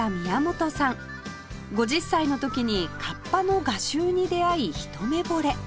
５０歳の時に河童の画集に出会い一目惚れ